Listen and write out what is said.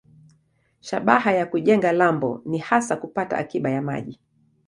Shabaha ya kujenga lambo ni hasa kupata akiba ya maji.